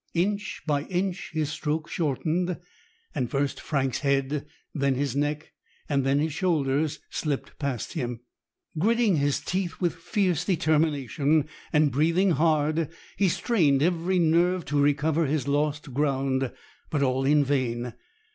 Inch by inch his stroke shortened, and first Frank's head, then his neck, then his shoulders slipped past him. Gritting his teeth with fierce determination, and breathing hard, he strained every nerve to recover his lost ground; but all in vain.